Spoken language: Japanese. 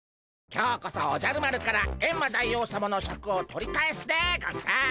今日こそおじゃる丸からエンマ大王さまのシャクを取り返すでゴンス！